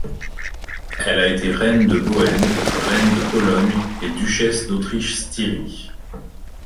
Elle a été reine de Bohême, reine de Pologne, et duchesse d'Autriche-Styrie.